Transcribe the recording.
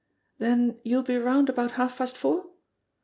Then you'll be round about half past four?